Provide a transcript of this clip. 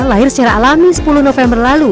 lahir secara alami sepuluh november lalu